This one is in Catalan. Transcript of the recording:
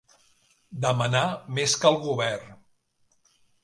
Demanar més que el govern.